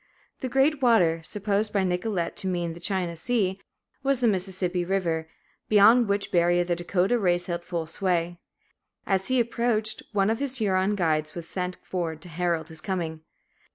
"The great water," supposed by Nicolet to mean the China Sea, was the Mississippi River, beyond which barrier the Dakotah race held full sway. As he approached, one of his Huron guides was sent forward to herald his coming.